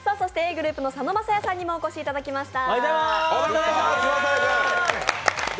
ｇｒｏｕｐの佐野晶哉さんにもお越しいただきました。